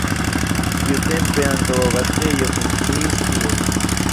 Tiutempe ankaŭ abatejo funkciis tie.